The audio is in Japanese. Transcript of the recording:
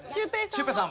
シュウペイさん。